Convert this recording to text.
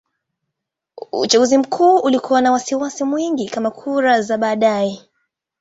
Uchaguzi huu ulikuwa na wasiwasi mwingi kama kura za baadaye.